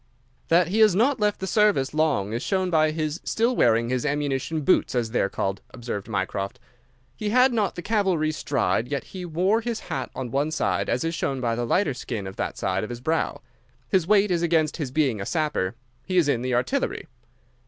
"That he has not left the service long is shown by his still wearing his ammunition boots, as they are called," observed Mycroft. "He had not the cavalry stride, yet he wore his hat on one side, as is shown by the lighter skin of that side of his brow. His weight is against his being a sapper. He is in the artillery."